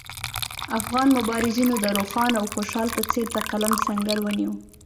افغان مبارزینو د روښان او خوشحال په څېر د قلم سنګر ونیو.